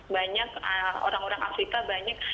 banyak orang orang afrika banyak